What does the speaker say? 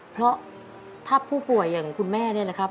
เพราะถ้าผู้ป่วยอย่างคุณแม่เนี่ยนะครับ